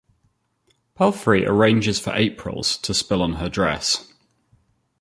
Palfrey arranges for April's to spill on her dress.